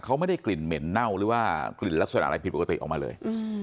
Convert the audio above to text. เขาไม่ได้กลิ่นเหม็นเน่าหรือว่ากลิ่นลักษณะอะไรผิดปกติออกมาเลย